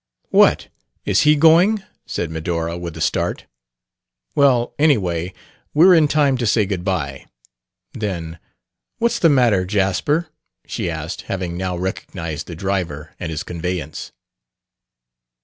"What! is he going?" said Medora, with a start. "Well, anyway, we're in time to say good bye." Then, "What's the matter, Jasper?" she asked, having now recognized the driver and his conveyance.